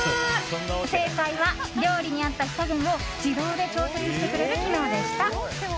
正解は料理に合った火加減を自動で調節してくれる機能でした。